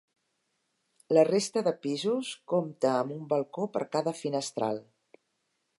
La resta de pisos compta amb un balcó per cada finestral.